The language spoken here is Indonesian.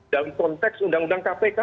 dalam konteks undang undang kpk